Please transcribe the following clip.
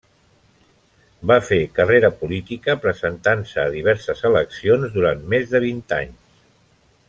Va fer carrera política presentant-se a diverses eleccions durant més de vint anys.